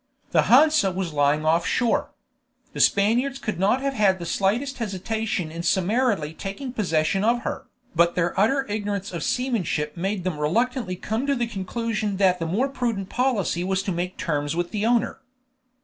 The Hansa was lying off shore. The Spaniards would not have had the slightest hesitation in summarily taking possession of her, but their utter ignorance of seamanship made them reluctantly come to the conclusion that the more prudent policy was to make terms with the owner.